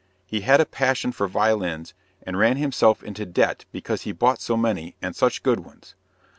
He had a passion for violins, and ran himself into debt because he bought so many and such good ones.